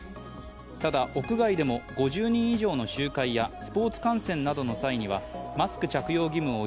ただ屋外でも５０人以上の集会やスポーツ観戦などの際にはマスク着用義務を